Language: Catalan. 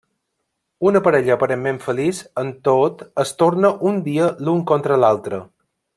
Una parella aparentment feliç en tot es torna un dia l'un contra l'altre.